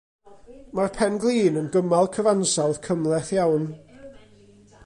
Mae'r pen-glin yn gymal cyfansawdd cymhleth iawn.